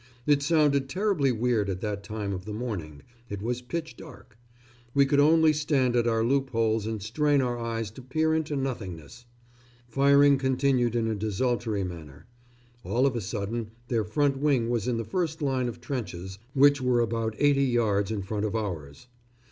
It sounded terribly weird at that time of the morning it was pitch dark. We could only stand at our loopholes and strain our eyes to peer into nothingness. Firing continued in a desultory manner. All of a sudden their front wing was in the first line of trenches, which were about eighty yards in front of ours.